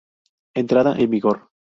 Entrada en vigor.